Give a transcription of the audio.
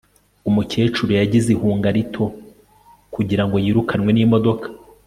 Umukecuru yagize ihunga rito kugirango yirukanwe nimodoka